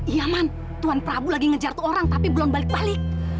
ya man tuhan prabu lagi ngejar tuh orang tapi belum balik balik